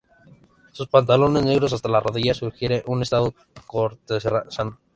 Sus pantalones negros hasta la rodilla sugieren un estado cortesano.